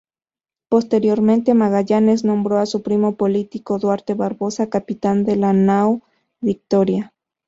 Posteriormente Magallanes nombró a su primo político Duarte Barbosa capitán de la nao "Victoria".